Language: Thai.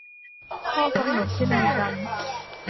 ข้อกำหนดพินัยกรรม